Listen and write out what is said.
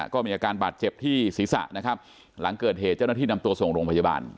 ก็มีอาการบาดเจ็บที่ศีรษะนะครับหลังเกิดเหตุเจ้าหน้าที่นำตัวส่งโรงพยาบาล